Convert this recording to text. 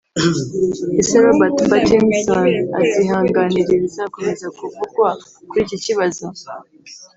Ese Robert Pattinson azihanganira ibizakomeza kuvugwa kuri iki kibazo